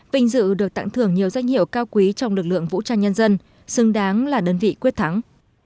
vinh dự được tặng thưởng nhiều danh hiệu cao quý trong lực lượng vũ trang nhân dân xứng đáng là đơn vị quyết thắng